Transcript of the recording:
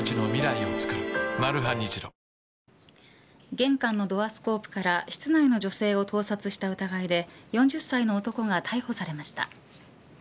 玄関のドアスコープから市内の女性を盗撮した疑いで４０歳の男が逮捕されました。